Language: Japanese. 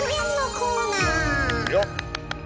よっ！